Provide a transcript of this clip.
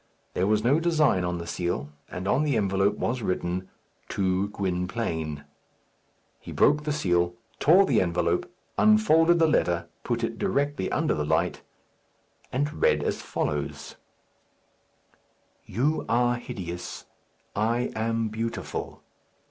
There was no design on the seal, and on the envelope was written, "To Gwynplaine." He broke the seal, tore the envelope, unfolded the letter, put it directly under the light, and read as follows: "You are hideous; I am beautiful.